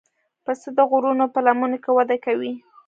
پسه د غرونو په لمنو کې وده کوي.